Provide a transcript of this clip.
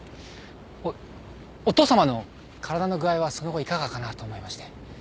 おお父さまの体の具合はその後いかがかなと思いまして。